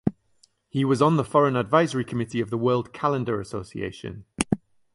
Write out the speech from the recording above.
He was on the Foreign Advisory Committee of the World Calendar Association.